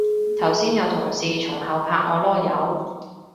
頭先有同事從後拍我籮柚